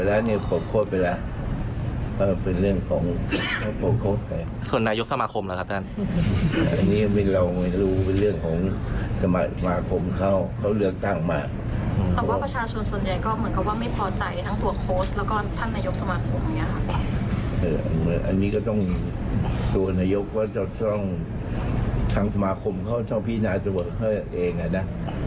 อันนี้ก็ต้องตัวนายกก็ต้องทั้งสมาคมเขาต้องพินาสเวิร์คเขาเองนะ